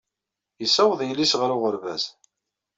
Yessaweḍ yelli-s ɣer uɣerbaz.